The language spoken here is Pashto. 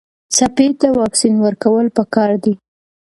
سپي ته واکسین ورکول پکار دي.